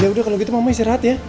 yaudah kalau gitu mama istirahat ya